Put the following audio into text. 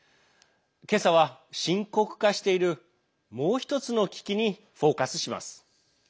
今朝は深刻化しているもう一つの危機にフォーカスします。